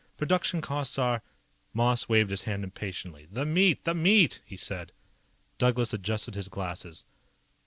Production costs are " Moss waved his hand impatiently. "The meat, the meat," he said. Douglas adjusted his glasses.